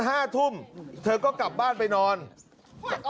การนอนไม่จำเป็นต้องมีอะไรกัน